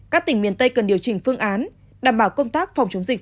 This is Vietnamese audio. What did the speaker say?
các tỉnh miền tây cần điều chỉnh phương án đảm bảo công tác phòng chống dịch